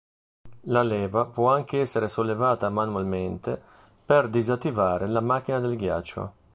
La leva può anche essere sollevata manualmente per disattivare la macchina del ghiaccio.